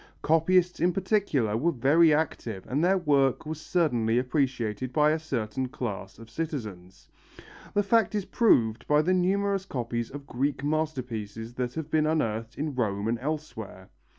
Copyists in particular were very active and their work was certainly appreciated by a certain class of citizens. The fact is proved by the numerous copies of Greek masterpieces that have been unearthed in Rome and elsewhere.